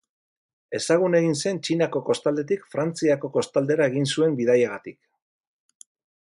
Ezagun egin zen Txinako kostaldetik Frantziako kostaldera egin zuen bidaiagatik.